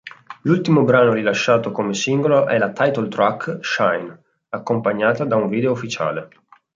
L'ultimo brano rilasciato come singolo è la title-track "Shine", accompagnata da un video ufficiale.